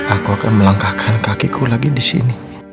aku akan melangkahkan kakiku lagi disini